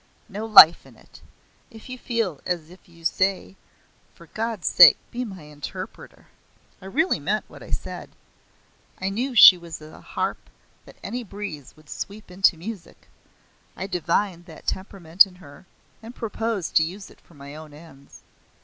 No life in it. If you feel as you say, for God's sake be my interpreter!" I really meant what I said. I knew she was a harp that any breeze would sweep into music. I divined that temperament in her and proposed to use it for my own ends.